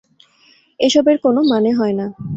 এসবের কোন মানে হয় না।